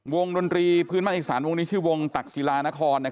ดนตรีพื้นภาคอีสานวงนี้ชื่อวงตักศิลานคร